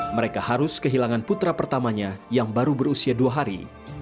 mereka harus kehilangan putra pertamanya yang baru berusia dua hari